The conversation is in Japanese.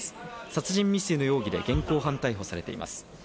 殺人未遂の容疑で現行犯逮捕されています。